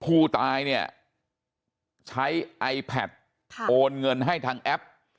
ผู้ตายเนี่ยใช้ไอแพทโอนเงินให้ทางแอป